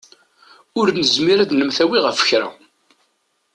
Ur nezmir ad nemtawi ɣef kra.